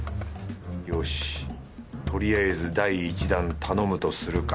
よしとりあえず第一弾頼むとするか